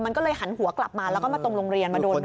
มันก็เลยหันหัวกลับมาแล้วก็มาตรงโรงเรียนมาโดนน้อง